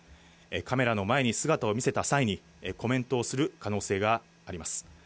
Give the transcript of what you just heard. カメラの前に姿を見せた際に、コメントをする可能性があります。